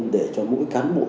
để cho mỗi cán bộ